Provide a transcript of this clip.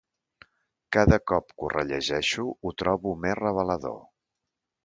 Cada cop que ho rellegeixo ho trobo més revelador.